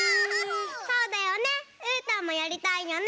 そうだよねうーたんもやりたいよね。